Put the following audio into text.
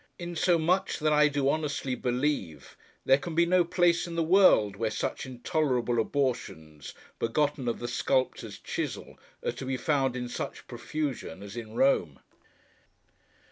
Insomuch that I do honestly believe, there can be no place in the world, where such intolerable abortions, begotten of the sculptor's chisel, are to be found in such profusion, as in Rome.